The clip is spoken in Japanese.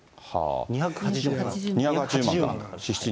２８０万か。